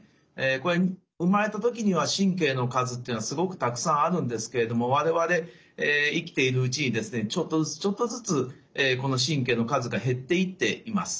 これ生まれた時には神経の数っていうのはすごくたくさんあるんですけれども我々生きているうちにですねちょっとずつちょっとずつこの神経の数が減っていっています。